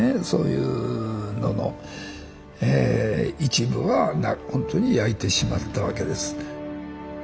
そういうのの一部は本当に焼いてしまったわけです。